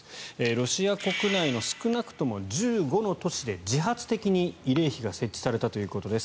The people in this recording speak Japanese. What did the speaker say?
ロシア国内の少なくとも１５の都市で自発的に慰霊碑が設置されたということです。